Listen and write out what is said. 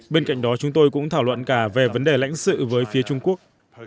bên cạnh đó chúng tôi cũng thảo luận cả về vấn đề lãnh sự với phía trung quốc